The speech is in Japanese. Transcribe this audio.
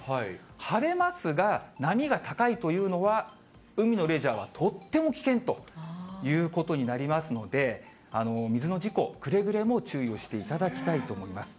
晴れますが、波が高いというのは、海のレジャーはとっても危険ということになりますので、水の事故、くれぐれも注意をしていただきたいと思います。